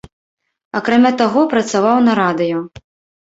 Акрамя таго, працаваў на радыё.